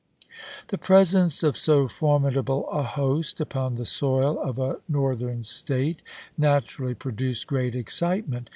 The presence of so formidable a host upon the soil of a Northern State naturally produced great excitement.